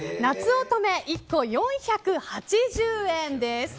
おとめ１個、４８０円です。